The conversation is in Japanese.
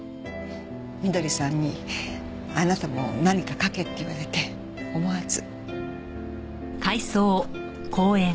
翠さんにあなたも何か書けって言われて思わず。